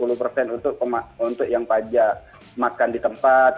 untuk yang pajak makan di tempat